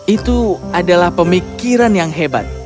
itu adalah pemikiran yang hebat